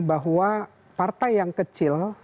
bahwa partai yang kecil